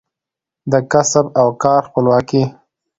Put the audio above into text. د کسب او کار خپلواکي